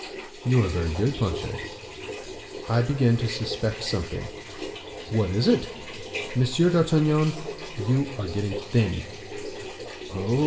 "You are very good, Planchet." "I begin to suspect something." "What is it?" "Monsieur d'Artagnan, you are getting thin." "Oh!"